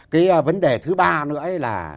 cái vấn đề thứ ba nữa là